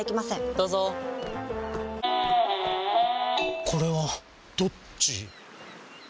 どうぞこれはどっち？